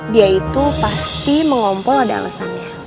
dia itu pasti mengompol ada alasannya